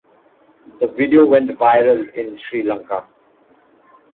The video went viral in Sri Lanka.